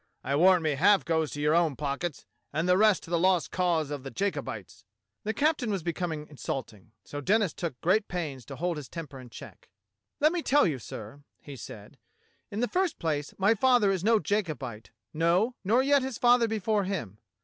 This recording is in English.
I warrant me half goes to your own pockets and the rest to the lost cause of the Jaco bites." The captain was becoming insulting, so Denis took great pains to hold his temper in check. "Let me tell you, sir," he said, "in the first place, my father is no Jacobite, no, nor yet his father before him.